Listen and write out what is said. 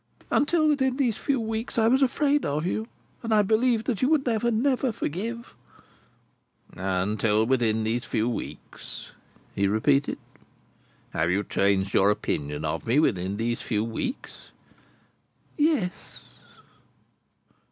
"Until within these few weeks I was afraid of you, and I believed that you would never, never, forgive." "Until within these few weeks," he repeated. "Have you changed your opinion of me within these few weeks?" "Yes."